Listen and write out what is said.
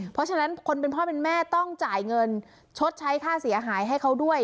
เพราะฉะนั้นคนเป็นพ่อเป็นแม่ต้องจ่ายเงินชดใช้ค่าเสียหายให้เขาด้วย